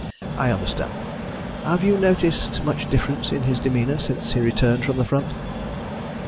"I understand. Have you noticed much difference in his demeanour since he returned from the front?"